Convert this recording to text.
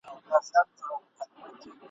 چا ښرا وه راته کړې جهاني عمر دي ډېر سه ..